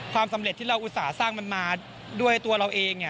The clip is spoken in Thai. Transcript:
ความสำเร็จที่เราอุตส่าห์สร้างมันมาด้วยตัวเราเอง